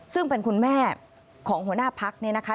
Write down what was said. ซึ่งเป็นคุณแม่ของหัวหน้าพักเนี่ยนะคะ